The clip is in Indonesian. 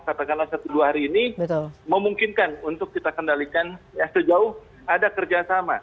katakanlah satu dua hari ini memungkinkan untuk kita kendalikan sejauh ada kerja sama